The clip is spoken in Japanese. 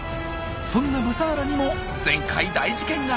そんなブサーラにも前回大事件が！